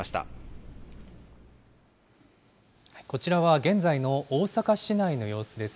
こちらは現在の大阪市内の様子です。